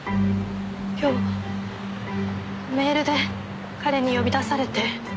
今日メールで彼に呼び出されて。